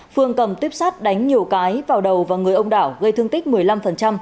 phương cầm tuyếp sát đánh nhiều cái vào đầu và người ông đảo gây thương tích một mươi năm